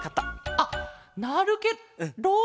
あっなるケロ。